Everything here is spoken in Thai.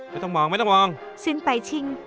ไม่ต้องมองไม่ต้องมอง